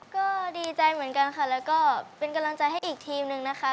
ก็ดีใจเหมือนกันค่ะแล้วก็เป็นกำลังใจให้อีกทีมหนึ่งนะคะ